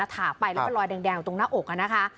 ถ่าไปแล้วก็รอยแดงตรงหน้าอก